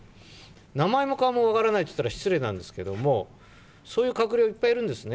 名前も顔も分からないと言ったら失礼なんですけれども、そういう閣僚いっぱいいるんですね。